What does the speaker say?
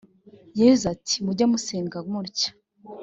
yezu ati mujye musenga mutya